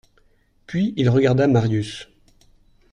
Puis il regarda Marius.